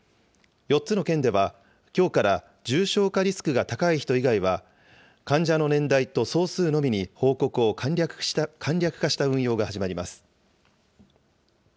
４つの県では、きょうから重症化リスクが高い人以外は、患者の年代と総数のみに報告を簡略化した運用が始まります。